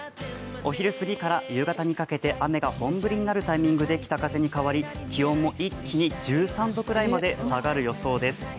お昼過ぎから夕方にかけて雨が本降りになるタイミングで北風に変わり気温も一気に１３度くらいまで下がる予想です。